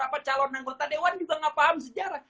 apa calon anggota dewan juga nggak paham sejarah